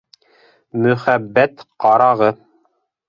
Мөхәббәт ҡарағы.